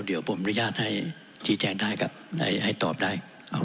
เดี๋ยวผมอนุญาตให้ชี้แจงได้ครับให้ตอบได้